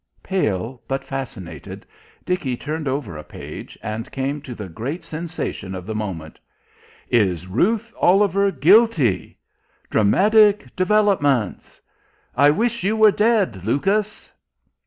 Pale but fascinated, Dickie turned over a page, and came to the great sensation of the moment. "Is Ruth Oliver Guilty?" "Dramatic Developments." "I Wish You Were Dead, Lucas!"